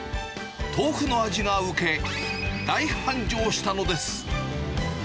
豆腐の味が受け、大繁盛したのです。